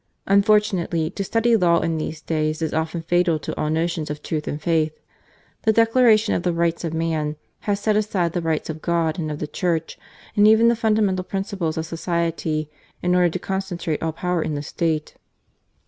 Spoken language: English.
Unfortunately, to study law in these days is often fatal to all notions of truth and faith. The "declaration of the rights of man" has set aside the rights of God and of the Church, and even the fundamental principles of society, in order to con centrate all power in the state.